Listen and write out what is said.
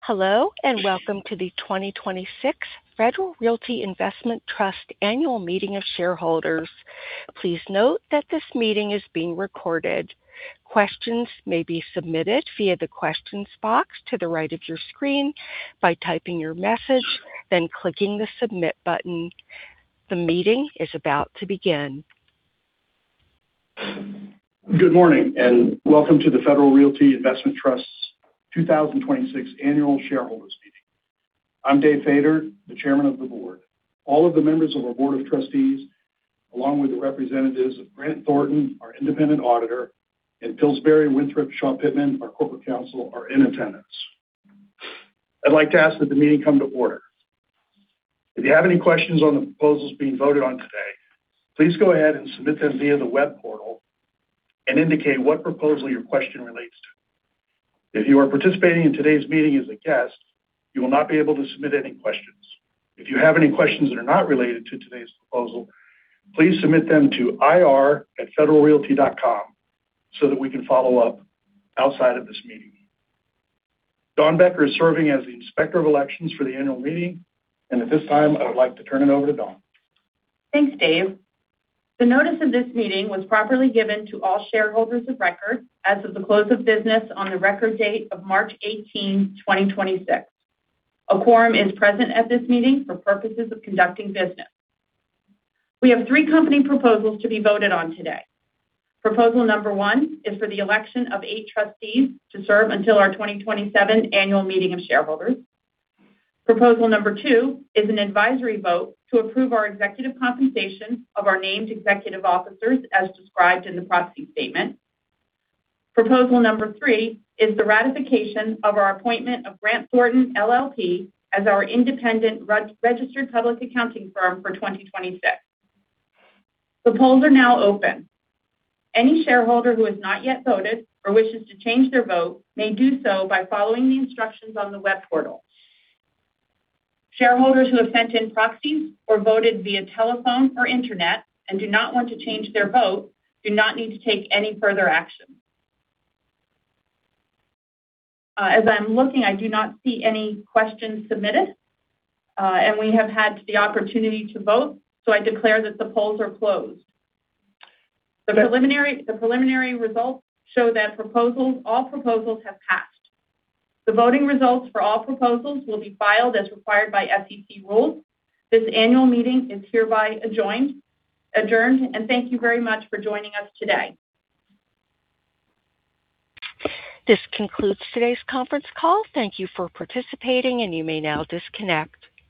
Hello, and welcome to the 2026 Federal Realty Investment Trust annual meeting of shareholders. Please note that this meeting is being recorded. Questions may be submitted via the Questions box to the right of your screen by typing your message, then clicking the Submit button. The meeting is about to begin. Good morning, and welcome to the Federal Realty Investment Trust 2026 Annual Shareholders Meeting. I'm David Faeder, the chairman of the board. All of the members of our board of trustees, along with the representatives of Grant Thornton, our independent auditor, and Pillsbury Winthrop Shaw Pittman, our corporate counsel, are in attendance. I'd like to ask that the meeting come to order. If you have any questions on the proposals being voted on today, please go ahead and submit them via the web portal and indicate what proposal your question relates to. If you are participating in today's meeting as a guest, you will not be able to submit any questions. If you have any questions that are not related to today's proposal, please submit them to ir@federalrealty.com so that we can follow up outside of this meeting. Dawn Becker is serving as the Inspector of Elections for the annual meeting. At this time, I would like to turn it over to Dawn M. Becker. Thanks, Dave. The notice of this meeting was properly given to all shareholders of record as of the close of business on the record date of March 18th, 2026. A quorum is present at this meeting for purposes of conducting business. We have three company proposals to be voted on today. Proposal number one is for the election of eight trustees to serve until our 2027 annual meeting of shareholders. Proposal number two is an advisory vote to approve our executive compensation of our named executive officers as described in the proxy statement. Proposal number three is the ratification of our appointment of Grant Thornton LLP as our independent registered public accounting firm for 2026. The polls are now open. Any shareholder who has not yet voted or wishes to change their vote may do so by following the instructions on the web portal. Shareholders who have sent in proxies or voted via telephone or internet and do not want to change their vote do not need to take any further action. As I'm looking, I do not see any questions submitted, and we have had the opportunity to vote, so I declare that the polls are closed. The preliminary results show that all proposals have passed. The voting results for all proposals will be filed as required by SEC rules. This annual meeting is hereby adjourned, and thank you very much for joining us today. This concludes today's conference call. Thank you for participating, and you may now disconnect.